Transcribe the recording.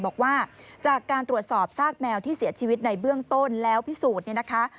บอกว่าจากการตรวจสอบซากแมวที่เสียชีวิตในเบื้องต้นแล้วพิสูจน์เนี่ยนะคะ